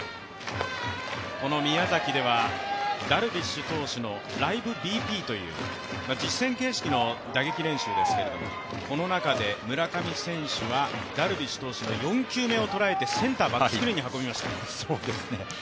この宮崎ではダルビッシュ投手のライブＢＰという実戦形式の打撃練習ですけれども、この中で村上選手はダルビッシュ投手の４球目を捉えてセンターバックスクリーンに運びました。